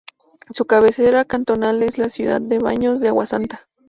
Su cabecera cantonal es la ciudad de Baños de Agua Santa.